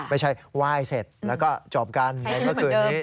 ไม่ใช่ไหว้เสร็จแล้วก็จบกันในเมื่อคืนนี้